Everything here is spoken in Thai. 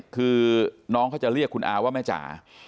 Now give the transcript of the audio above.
คือน้องเขาจะเรียกคุณอาว่าแม่จ๋า